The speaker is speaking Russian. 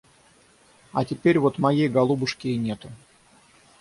А теперь вот моей голубушки и нету.